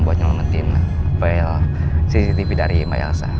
buat nyelamatin fail cctv dari mayasa